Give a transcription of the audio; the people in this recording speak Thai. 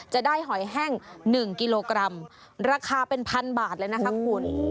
หอยแห้ง๑กิโลกรัมราคาเป็นพันบาทเลยนะคะคุณ